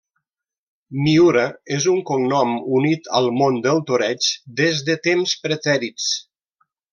Miura és un cognom unit al món del toreig des de temps pretèrits.